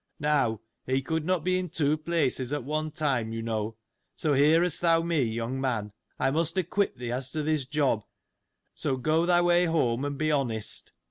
Now, he could not be in two places at one time, you know. So, hearest thou me, young man, I must acquit thee, as to this job : so, go thy way home, and be honest.